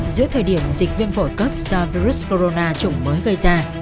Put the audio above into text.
giữa thời điểm dịch viêm phổi cấp do virus corona chủng mới gây ra